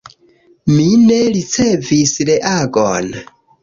Mi ne ricevis reagon.